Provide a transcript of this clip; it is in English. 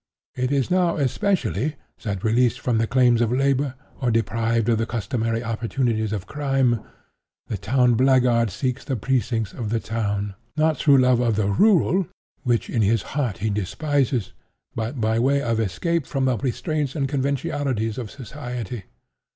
It is now especially that, released from the claims of labor, or deprived of the customary opportunities of crime, the town blackguard seeks the precincts of the town, not through love of the rural, which in his heart he despises, but by way of escape from the restraints and conventionalities of society.